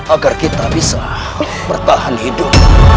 agar kita bisa bertahan hidup